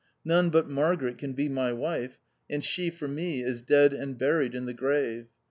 None but Margaret can be my wife, and she for me is dead and buried in the grave.